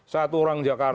satu orang jakarta